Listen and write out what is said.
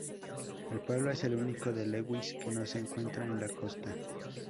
El pueblo es el único de Lewis que no se encuentra en la costa.